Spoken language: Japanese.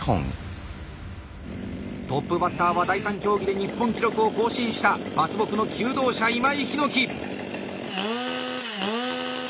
トップバッターは第３競技で日本記録を更新した伐木の求道者・今井陽樹。